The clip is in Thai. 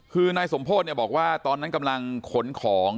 คือนายสมโภชบอกว่าตอนนั้นกำลังขนของ